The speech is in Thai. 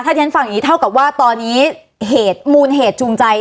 ที่ฉันฟังอย่างนี้เท่ากับว่าตอนนี้เหตุมูลเหตุจูงใจ